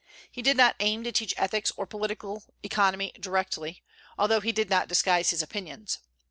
He did not aim to teach ethics or political economy directly, although he did not disguise his opinions.